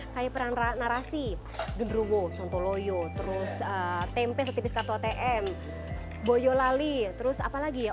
kayak peran narasi genrugo santoloyo terus tempe setipis kato atm boyolali terus apa lagi ya